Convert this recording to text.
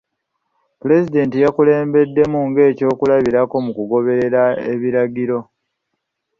Pulezidenti y'akulembeddemu ng'ekyokulabirako mu kugoberera ebiragro.